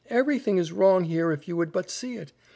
Everything is wrong here if you would but see it.